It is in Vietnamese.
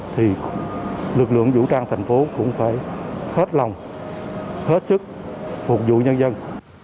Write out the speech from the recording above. thì lực lượng vũ trang thành phố cũng phải hết lòng hết sức phục vụ nhân dân